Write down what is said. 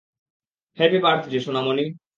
Happy birthday, Sonamoni!